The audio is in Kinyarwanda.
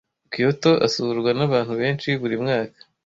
Kyoto asurwa nabantu benshi buri mwaka.